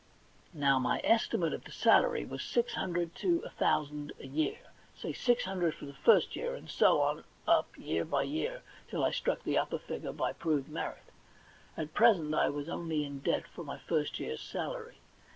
Now, my estimate of the salary was six hundred to a thousand a year ; say, six hundred for the first year, and so on up year by year, till I struck the upper figure by proved merit. At present I was only in debt for my first year's salary.